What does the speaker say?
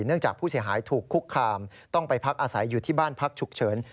จากผู้เสียหายถูกคุกคามต้องไปพักอาศัยอยู่ที่บ้านพักฉุกเฉิน